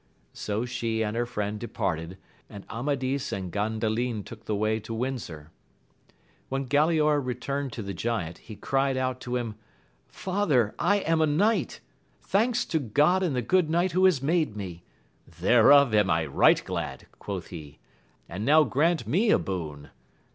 So she and her friend departed, and Amadis ^nd^Gandalin took the way to Wiad^Qi% 72 AMADIS OF GAUL. When Ghilaor retumed to the giant, he cried oat to him, Father, I am a knight ! thanks to God and the good knight who has made me ! Thereof am I right glad, quoth he, and now grant me a boon.